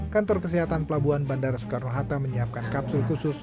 kantor kesehatan pelabuhan bandara soekarno hatta menyiapkan kapsul khusus